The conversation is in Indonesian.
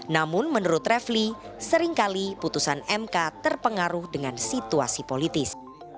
namun menurut refli seringkali putusan mk terpengaruh dengan situasi politis